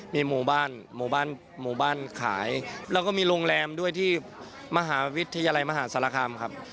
มีหมู่บ้านหมู่บ้านขายแล้วก็มีโรงแรมด้วยที่มหาวิทยาลัยมหาศาลคามครับ